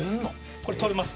これ取れます。